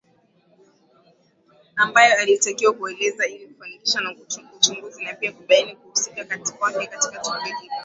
ambayo alitakiwa kueleza ili kufanikisha uchunguzi na pia kubaini kuhusika kwake katika tukio hilo